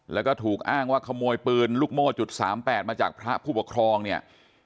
แล้วก็ถูกอ้างว่าขโมยปืนลูกโม่จุด๓๘มาจากพระผู้ปกครองเนี่ย